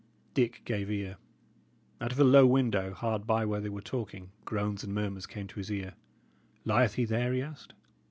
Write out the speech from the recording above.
Dick gave ear. Out of a low window, hard by where they were talking, groans and murmurs came to his ear. "Lieth he there?" he asked.